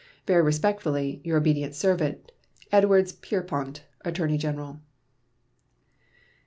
Very respectfully, your obedient servant, EDWARDS PIERREPONT, Attorney General.